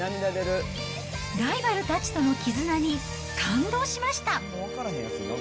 ライバルたちとの絆に感動しました。